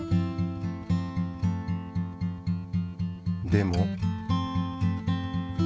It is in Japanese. でも。